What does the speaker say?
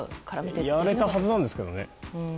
やれたはずなんですけどね。